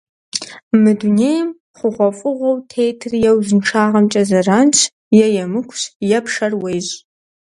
Мы дунейм хъугъуэфӏыгъуэу тетыр е узыншагъэмкӏэ зэранщ, е емыкӏущ, е пшэр уещӏ.